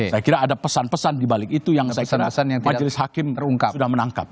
saya kira ada pesan pesan di balik itu yang majlis hakim sudah menangkap